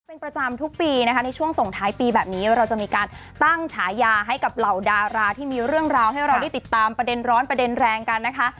เป็นประจำทุกปีนะคะในช่วงส่งท้ายปีแบบนี้เราจะมีการตั้งฉายาให้กับเหล่าดาราที่มีเรื่องราวให้เราได้ติดตามประเด็นร้อนประเด็นแรงกันนะคะ